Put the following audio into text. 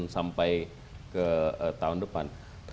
sampai ke tahun depan